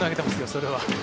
それは。